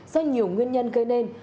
do nhiều nguyên nhân gây nên